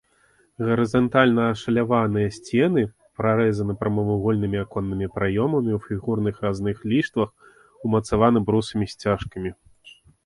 Гарызантальна ашаляваныя сцены прарэзаны прамавугольнымі аконнымі праёмамі ў фігурных разных ліштвах, умацаваны брусамі-сцяжкамі.